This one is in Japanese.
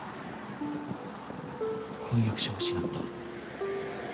婚約者を失った。